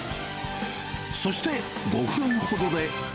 そして５分ほどで。